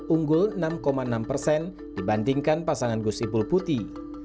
unggul enam enam persen dibandingkan pasangan gus ipul putih